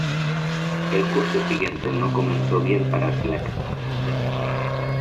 El curso siguiente no comenzó bien para Schleck.